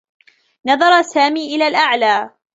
نظر سامي إلى الأعلى.